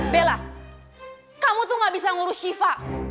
bella kamu tuh gak bisa ngurus shiva